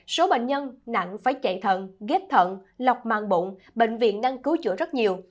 số bệnh nhân nặng phải chạy thận ghép thận lọc màn bụng bệnh viện năng cứu chữa rất nhiều